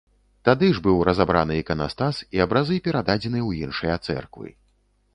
Тады ж быў разабраны іканастас і абразы перададзены ў іншыя цэрквы.